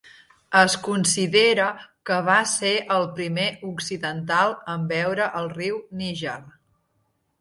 Es considera que va ser el primer occidental en veure el riu Níger.